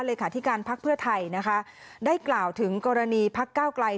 เลขาธิการพักเพื่อไทยนะคะได้กล่าวถึงกรณีพักเก้าไกล